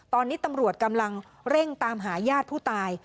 ตอนนี้ตำรวจกำลังเร่งตามหาญาติผู้ตาย